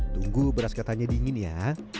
tunggu beras katanya dingin ya